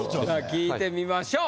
聞いてみましょう。